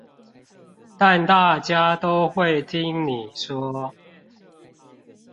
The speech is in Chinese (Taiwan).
但大家都會聽你說